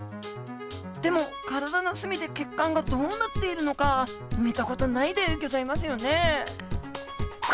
でも体の隅で血管がどうなっているのか見た事ないでギョざいますよね。